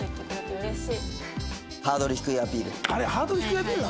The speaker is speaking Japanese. あれハードル低いアピールなの？